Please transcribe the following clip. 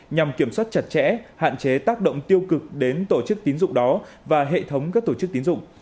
nhằm kiểm soát chặt chẽ hạn chế tác động tiêu cực đến tổ chức tín dụng đó và hệ thống các tổ chức tín dụng